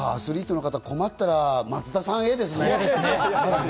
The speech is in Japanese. アスリートの方は困ったら、松田さんへ、ですね。